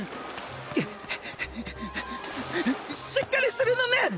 しっかりするのねん！